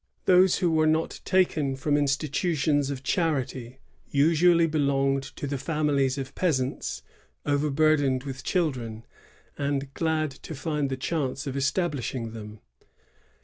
^ Those who were not taken from institutions of charity usually belonged to the families of peasants overburdened with children, and glad to find the chance of establishing them.